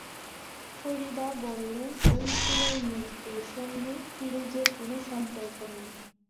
ফরিদা বললেন, ঐ ছেলের মৃত্যুর সঙ্গে ফিরোজের কোনো সম্পর্ক নেই।